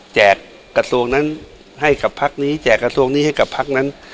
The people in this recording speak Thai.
แจกกระทรวงนั้นให้กับภัคดิ์นี้แจกกระทรวงนี้ให้กับภัคดิ์นั้น